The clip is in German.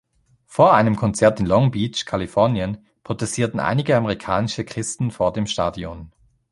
Vor einem Konzert in Long Beach, Kalifornien protestierten einige amerikanische Christen vor dem Stadion.